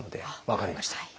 分かりました。